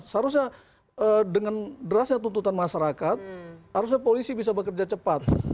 seharusnya dengan derasnya tuntutan masyarakat harusnya polisi bisa bekerja cepat